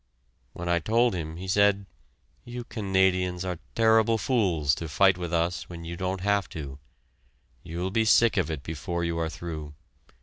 When I told him, he said, "You Canadians are terrible fools to fight with us when you don't have to. You'll be sick of it before you are through.